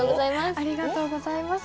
ありがとうございます。